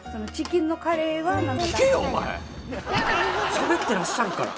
しゃべってらっしゃるから。